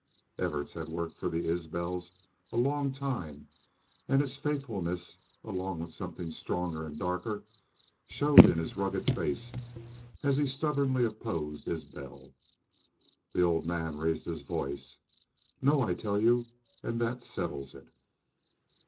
Evarts had worked for the Isbels a long time, and his faithfulness, along with something stronger and darker, showed in his rugged face as he stubbornly opposed Isbel. The old man raised his voice: "No, I tell you. An' that settles it."